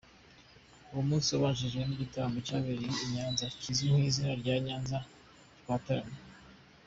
Uwo munsi wabanjirijwe n’igitaramo cyabereye i Nyanza kizwi ku izina rya "Nyanza Twataramye".